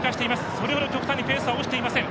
それほど極端にペースは落ちていません。